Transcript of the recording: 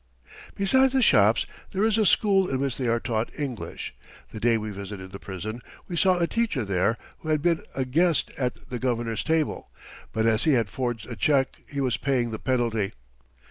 Besides the shops, there is a school in which they are taught English. The day we visited the prison we saw a teacher there who had been a guest at the Governor's table, but as he had forged a check he was paying the penalty.